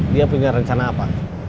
dia punya rencana apa